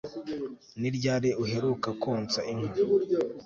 Ni ryari uheruka konsa inka